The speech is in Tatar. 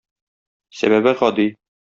Сәбәбе гади.